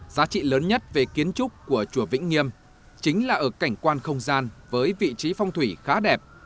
giá trị lớn nhất về kiến trúc của chùa vĩnh nghiêm chính là ở cảnh quan không gian với vị trí phong thủy khá đẹp